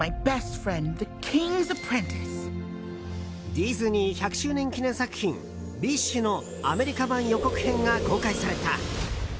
ディズニー１００周年記念作品「ウィッシュ」のアメリカ版予告編が公開された。